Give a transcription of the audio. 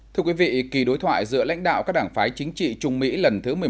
thưa quý vị kỳ đối thoại giữa lãnh đạo các đảng phái chính trị trung mỹ lần thứ một mươi một